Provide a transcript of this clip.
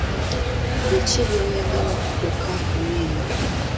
Biki by'oyagala ku kkampuni eyo?